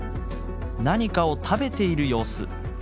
何かを食べている様子。